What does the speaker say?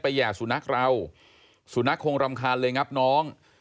แห่สุนัขเราสุนัขคงรำคาญเลยครับน้อง